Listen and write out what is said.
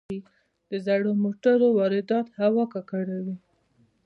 د زړو موټرو واردات هوا ککړوي.